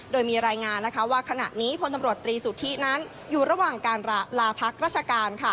โดยมีรายงานว่าขณะนี้พลตำรวจตรีสุทธินั้นอยู่ระหว่างการลาพักราชการ